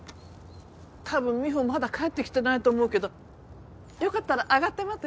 たぶん美帆まだ帰ってきてないと思うけどよかったら上がって待ってて。